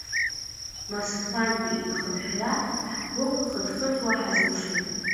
Москвантәи ихынҳәра ҳгәы хыҭхыҭуа ҳазыԥшын.